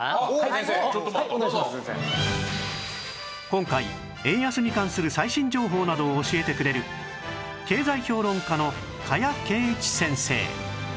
今回円安に関する最新情報などを教えてくれる経済評論家の加谷珪一先生